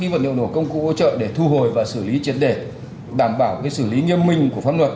và truy xét tận gốc